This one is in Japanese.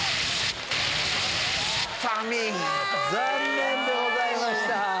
残念でございました。